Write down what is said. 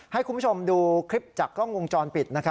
ให้คุณผู้ชมดูคลิปจากกล้องวงจรปิด